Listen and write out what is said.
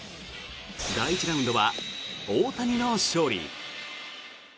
第１ラウンドは大谷の勝利。